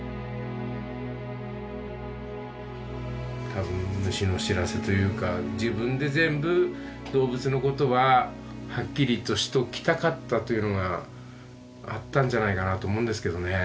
たぶん虫の知らせというか自分で全部動物のことははっきりとしときたかったというのがあったんじゃないかなと思うんですけどね。